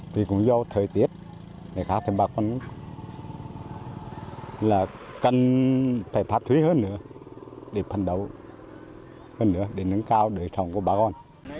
vì cũng do thời tiết người khác thì bà con là cần phải phát thúy hơn nữa để phân đấu hơn nữa để nâng cao đời sống của bà con